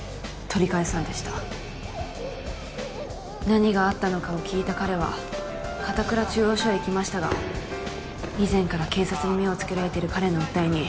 何があったのかを聞いた彼は片倉中央署へ行きましたが以前から警察に目を付けられている彼の訴えに。